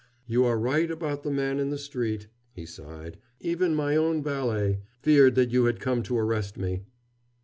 "You are right about the man in the street," he sighed. "Even my own valet feared that you had come to arrest me."